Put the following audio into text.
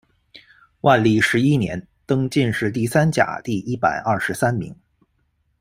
万历十一年，登进士第三甲第一百二十三名。